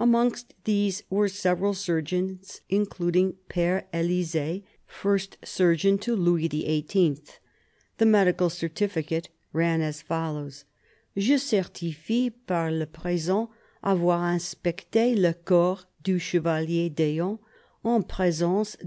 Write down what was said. Amongst these were several surgeons including Père Elisée, First Surgeon to Louis XVIII. The medical certificate ran as follows: "Je certifie, par le présent, avoir inspecté le corps du chevalier d'Eon, en présénce de M.